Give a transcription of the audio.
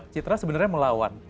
citra sebenarnya melawan